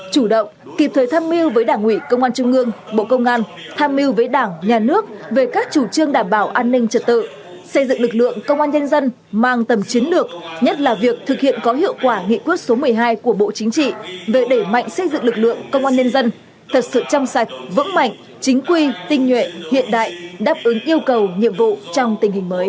chủ động kịp thời tham mưu với đảng ủy công an trung ương bộ công an tham mưu với đảng nhà nước về các chủ trương đảm bảo an ninh trật tự xây dựng lực lượng công an nhân dân mang tầm chiến lược nhất là việc thực hiện có hiệu quả nghị quyết số một mươi hai của bộ chính trị về để mạnh xây dựng lực lượng công an nhân dân thật sự chăm sạch vững mạnh chính quy tinh nhuệ hiện đại đáp ứng yêu cầu nhiệm vụ trong tình hình mới